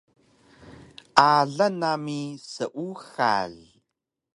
Alang nami seuxal